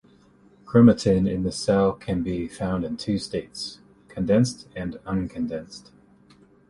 Chromatin in the cell can be found in two states: condensed and uncondensed.